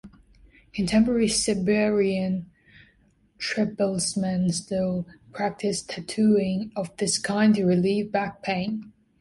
Contemporary Siberian tribesmen still practice tattooing of this kind to relieve back pain.